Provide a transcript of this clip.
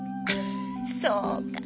そうか。